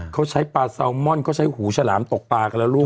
เขาใช้ปลาแซลมอนเขาใช้หูฉลามตกปลากันแล้วลูก